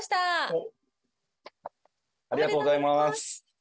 おめでとうございます。